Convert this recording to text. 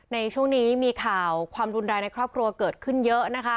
ในช่วงนี้มีข่าวความรุนแรงในครอบครัวเกิดขึ้นเยอะนะคะ